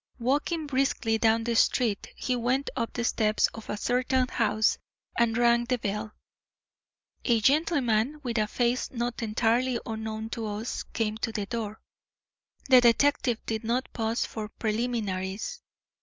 Walking briskly down the street, he went up the steps of a certain house and rang the bell. A gentleman with a face not entirely unknown to us came to the door. The detective did not pause for preliminaries.